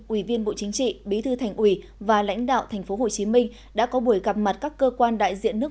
ủy viên bộ chính trị bí thư thành ủy và lãnh đạo tp hcm đã có buổi gặp mặt các cơ quan đại diện nước